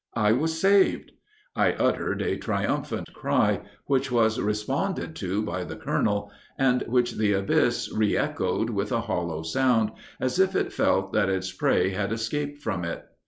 I was saved! I uttered a triumphant cry, which was responded to by the colonel, and which the abyss re echoed with a hollow sound, as if it felt that its prey had escaped from it.